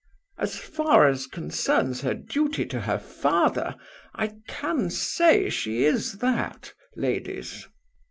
"As far as concerns her duty to her father, I can say she is that, ladies."